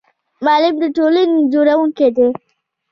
معلم د ټولنې جوړونکی دی